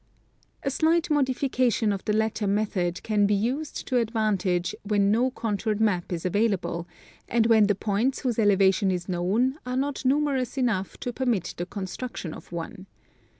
A slight modification of the latter method can be used to advantage when no contoured map is available, and when the points whose elevation is known are not numerous enough to permit the construction of one.